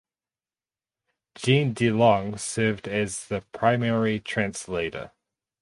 Jean de Long served as the primary translator.